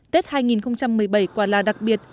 tết hai nghìn một mươi bảy quả là đặc biệt